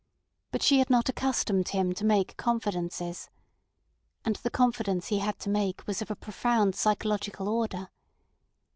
But she had not accustomed him to make confidences. And the confidence he had to make was of a profound psychological order.